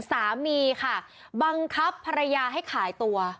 สามีค่ะบังคับภรรยาให้ขายตัว